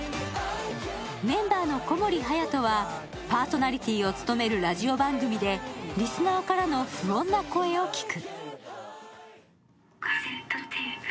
メンバーの小森隼は、パーソナリティーを務めるラジオ番組でリスナーからの不穏な声を聞く。